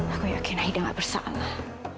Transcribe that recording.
aku yakin ahidah gak bersalah